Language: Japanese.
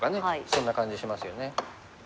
そんな感じしますよね。